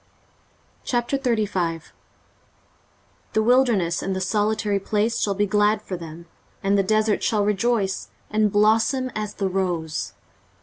23:035:001 The wilderness and the solitary place shall be glad for them; and the desert shall rejoice, and blossom as the rose.